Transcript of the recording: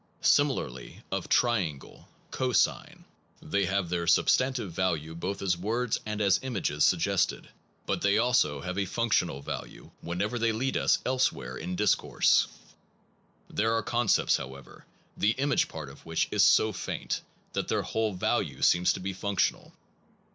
Similarly of triangle, cosine/ they have their substantive value both as words and as images suggested, but they also have a functional value whenever they lead us else where in discourse. 58 PERCEPT AND CONCEPT There are concepts, however, the image part of which is so faint that their whole value seems to be functional.